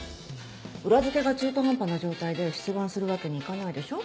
裏付けが中途半端な状態で出願するわけにいかないでしょ？